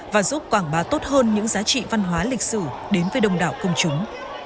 và giúp quảng bá tốt hơn những giá trị văn hóa lịch sử đến với đông đảo công chúng